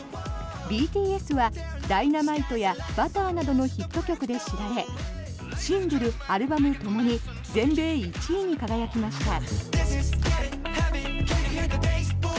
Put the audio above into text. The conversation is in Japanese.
ＢＴＳは「Ｄｙｎａｍｉｔｅ」や「Ｂｕｔｔｅｒ」などのヒット曲で知られシングル、アルバムともに全米１位に輝きました。